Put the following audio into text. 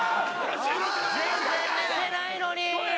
全然寝てないのに。